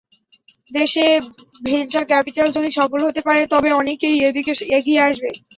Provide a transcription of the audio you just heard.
দেশে venture capital যদি সফল হতে পারে, তবে অনেকেই এদিকে এগিয়ে আসবে।